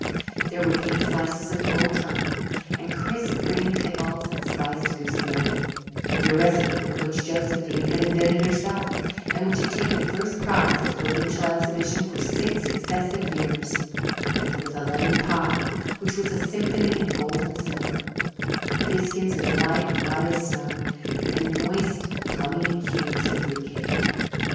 There were pink slices of cold tongue, and crisp green pickles and spiced gooseberry, the recipe for which Josephine had invented herself, and which had taken first prize at the Provincial Exhibition for six successive years; there was a lemon pie which was a symphony in gold and silver, biscuits as light and white as snow, and moist, plummy cubes of fruit cake.